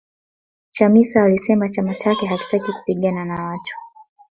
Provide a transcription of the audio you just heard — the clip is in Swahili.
Chamisa alisema chama chake hakitaki kupigana na watu